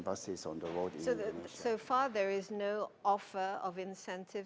jadi sejauh ini tidak ada penawaran insentif